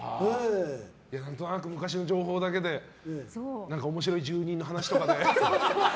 何となく昔の情報だけで面白い住民の話とかで。